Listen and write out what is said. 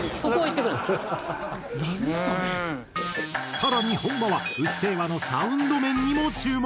更に本間は『うっせぇわ』のサウンド面にも注目。